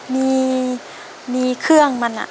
มีเครื่องมัน